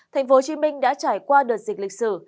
thành phố hồ chí minh đã trải qua đợt dịch lịch sử